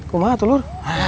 kumah tuh lur